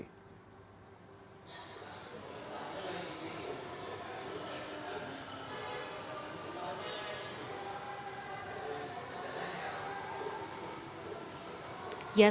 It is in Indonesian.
pertanyaan dari kpu pemerintah pemerintah indonesia